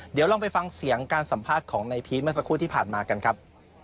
เดี๋ยวลองไปฟังเสียงการสัมภาษณ์ของนายพีชเมื่อสักครู่ที่ผ่านมากันครับ